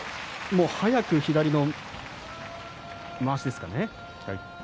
速く左のまわしですかね。